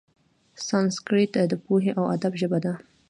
سانسکریت د پوهې او ادب ژبه وه.